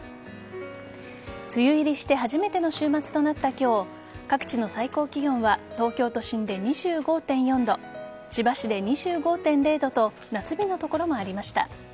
梅雨入りして初めての週末となった今日各地の最高気温は東京都心で２５．４度千葉市で２５．０度と夏日の所もありました。